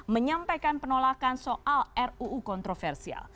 menyampaikan penolakan soal ruu kontroversial